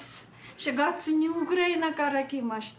４月にウクライナから来ました。